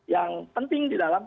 yang penting di dalam